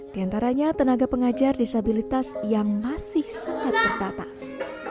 di antaranya tenaga pengajar disabilitas yang masih sangat terbatas